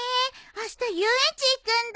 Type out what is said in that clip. あした遊園地行くんだ。